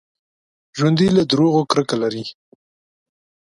ژوندي له دروغو کرکه لري